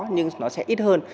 nhưng nó sẽ ít hơn